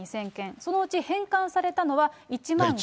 そのうち返還されたのは１万５０００件。